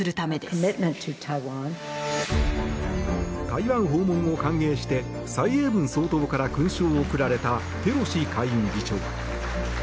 台湾訪問を歓迎して蔡英文総統から勲章を贈られたペロシ下院議長。